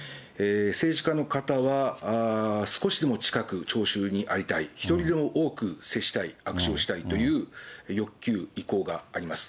政治家の方は、少しでも近く聴衆に会いたい、一人でも多く接したい、握手をしたいという欲求、意向があります。